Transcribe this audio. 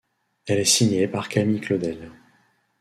Elle est signée par Camille Claudel.